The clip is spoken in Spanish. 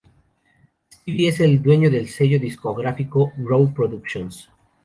Steve es el dueño del sello discográfico Rowe Productions.